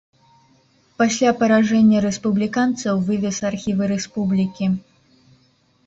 Пасля паражэння рэспубліканцаў вывез архівы рэспублікі.